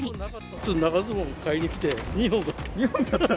ちょっと長ズボン買いに来て、２本買った。